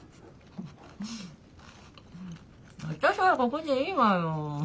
私はここでいいわよ。